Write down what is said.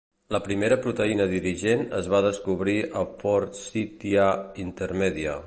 La primera proteïna dirigent es va descobrir a "Forsythia intermedia".